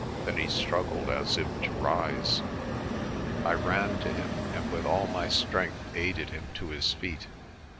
Then he struggled as if to rise. I ran to him and with all my strength aided him to his feet.